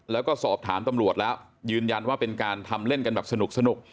แล้วก็สอบถามตำรวจแล้วยืนยันว่าเป็นการทำเล่นกันแบบสนุก